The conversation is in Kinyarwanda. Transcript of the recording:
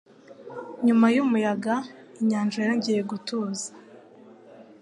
Nyuma yumuyaga, inyanja yongeye gutuza.